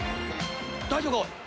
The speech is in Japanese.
大丈夫か？］